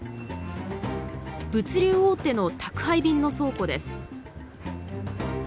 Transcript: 物流大手の宅配便の倉庫です。